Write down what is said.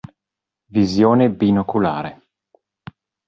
Visione binoculare